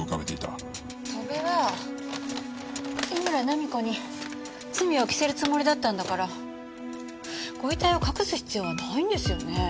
戸辺は三村菜実子に罪を着せるつもりだったんだからご遺体を隠す必要はないんですよね。